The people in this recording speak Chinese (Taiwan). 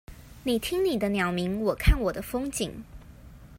你聽你的鳥鳴，我看我的風景